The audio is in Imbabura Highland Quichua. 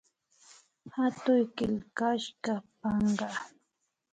Hatuy killkashka panka